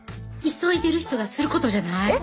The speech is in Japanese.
急いでる人がすることじゃない。